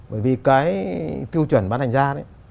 bởi vì cái tiêu chuẩn bán hàng ra đấy